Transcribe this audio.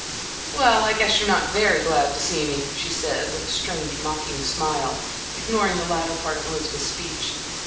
Well, I guess you're not very glad to see me," she said, with a strange, mocking smile, ignoring the latter part of Elizabeth's speech.